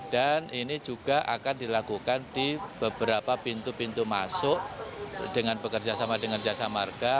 dan ini juga akan dilakukan di beberapa pintu pintu masuk dengan pekerja sama dengan jasa marga